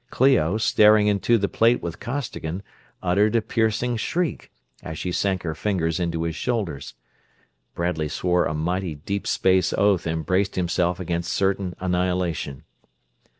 Clio, staring into the plate with Costigan, uttered a piercing shriek, as she sank her fingers into his shoulders. Bradley swore a mighty deep space oath and braced himself against certain annihilation.